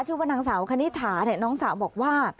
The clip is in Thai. ชื่อว่านางสาวคณิตถาเนี่ยน้องสาวบอกว่า